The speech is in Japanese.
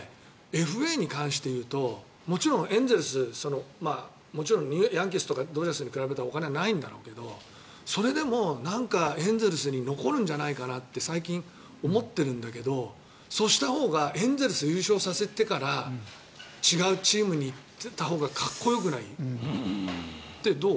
ＦＡに関して言うともちろんエンゼルスもちろんヤンキースとかドジャースに比べたらお金はないんだろうけどそれでもエンゼルスに残るんじゃないかなって最近思ってるんだけどそうしたほうがエンゼルス優勝させてから違うチームに行ったほうがかっこよくない？どう？